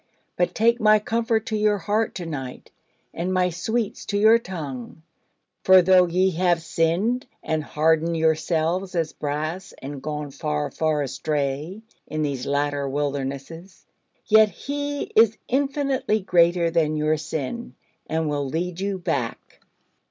but take my comfort to your heart to night, and my sweets to your tongue: for though ye have sinned, and hardened yourselves as brass, and gone far, far astray in these latter wildernesses, yet He is infinitely greater than your sin, and will lead you back.